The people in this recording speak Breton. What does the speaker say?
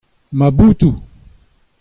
Ma botoù.